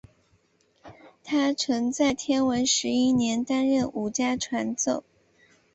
他曾在天文十一年担任武家传奏。